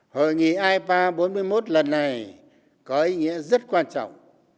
hội nghị ipa bốn mươi một lần này có ý nghĩa rất quan trọng